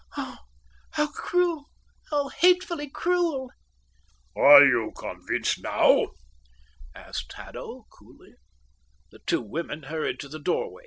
"Oh, how cruel! How hatefully cruel!" "Are you convinced now?" asked Haddo coolly. The two women hurried to the doorway.